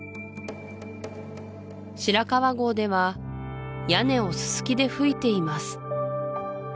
白川郷では屋根をススキで葺いています